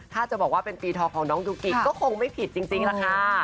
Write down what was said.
ถ้าจะบอกว่าเป็นปีทองของน้องยูกิก็คงไม่ผิดจริงล่ะค่ะ